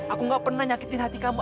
aku gak pernah nyakitin hati kamu